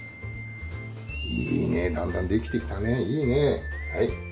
いいね、だんだんできてきたねいいね。